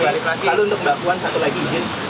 dulu untuk mbak puan satu lagi izin